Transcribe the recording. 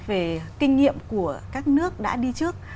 về kinh nghiệm của các nước đã đi trước